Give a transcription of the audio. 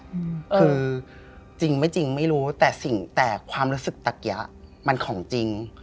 คือจริงไม่จริงไม่รู้แต่ความรู้สึกตะเกียร์มันของจริง